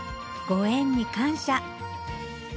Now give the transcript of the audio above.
「ご縁に感謝‼」